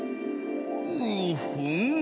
うふん。